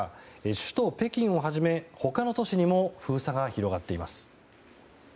首都・北京をはじめ他の都市にも封鎖が広がっています。